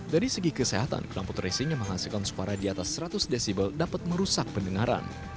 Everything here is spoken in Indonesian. dari segi kesehatan ramput racing yang menghasilkan suara di atas seratus decibel dapat merusak pendengaran